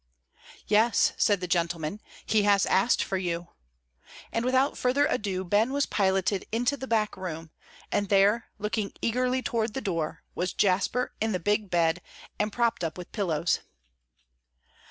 "Yes," said the gentleman, "he has asked for you." And without further ado Ben was piloted into the back room, and there, looking eagerly toward the door, was Jasper in the big bed and propped up with pillows.